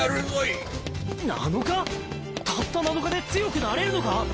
たった７日で強くなれるのか？